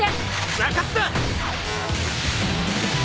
分かった！